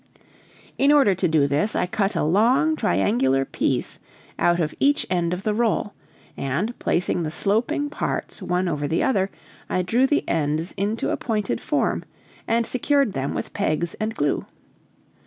In order to do this, I cut a long triangular piece out of each end of the roll, and, placing the sloping parts one over the other, I drew the ends into a pointed form and secured them with pegs and glue.